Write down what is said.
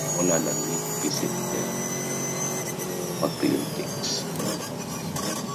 Moreland and Nick visit the Maclinticks.